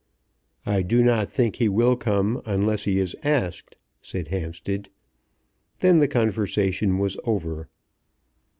"I do not think he will come unless he is asked," said Hampstead. Then the conversation was over.